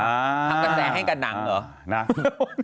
ทำกระแสให้กับหนังเหรอ